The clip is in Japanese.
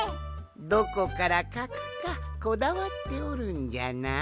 どこからかくかこだわっておるんじゃな。